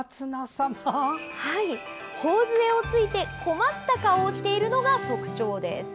はい、ほおづえをついて困った顔をしているのが特徴です。